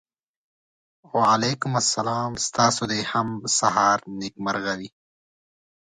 وعلیکم سلام ستاسو د هم سهار نېکمرغه وي.